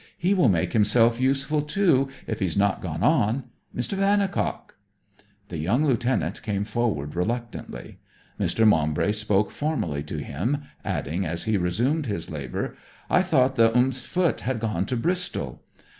He will make himself useful too, if he's not gone on. Mr. Vannicock!' The young lieutenant came forward reluctantly. Mr. Maumbry spoke formally to him, adding as he resumed his labour, 'I thought the st Foot had gone to Bristol.'